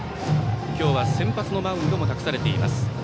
今日は先発のマウンドも託されています。